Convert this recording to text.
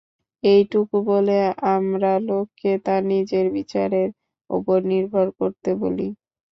এইটুকু বলে আমরা লোককে তার নিজের বিচারের উপর নির্ভর করতে বলি।